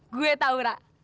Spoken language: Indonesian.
gue tau rak